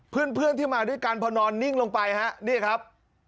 เพื่อนที่มาด้วยกันพอนอนนิ่งลงไปฮะนี่ครับ